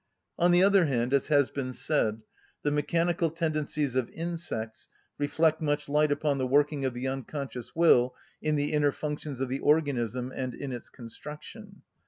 On the other hand, as has been said, the mechanical tendencies of insects reflect much light upon the working of the unconscious will in the inner functions of the organism and in its construction.